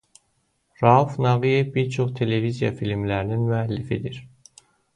Rauf Nağıyev bir çox televiziya filmlərinin müəllifidir.